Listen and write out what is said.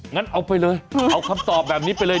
งั้นเอาไปเลยเอาคำตอบแบบนี้ไปเลย